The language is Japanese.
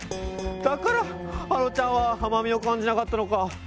だからはろちゃんはあまみをかんじなかったのか。